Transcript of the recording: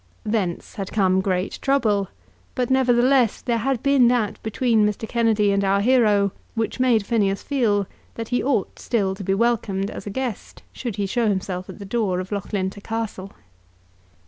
Thence had come great trouble, but nevertheless there had been that between Mr. Kennedy and our hero which made Phineas feel that he ought still to be welcomed as a guest should he show himself at the door of Loughlinter Castle.